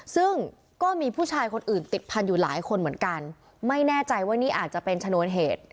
ซึ่งก็มีผู้ชายคนอื่นติดพันธุ์อยู่หลายคนเหมือนกันไม่แน่ใจว่านี่อาจจะเป็นชนวนเหตุ